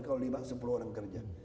kalau lima sepuluh orang kerja